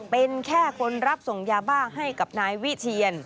เป็นแค่คนรับส่งยาบ้าให้กับนายวิเชียน